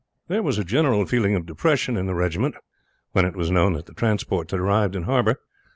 There was a general feeling of depression in the regiment when it was known that the transports had arrived in harbor.